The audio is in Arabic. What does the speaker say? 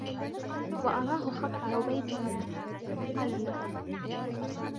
وَأَرَاهُ خَطَّ عُبَيْدِ اللَّهِ وَقَالَ لَهُ